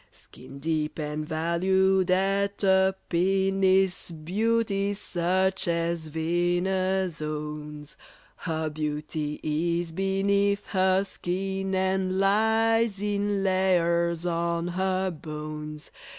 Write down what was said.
"Skin deep, and valued at a pin, Is beauty such as VENUS owns— Her beauty is beneath her skin, And lies in layers on her bones.